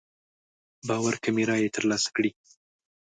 باور کمې رايې تر لاسه کړې.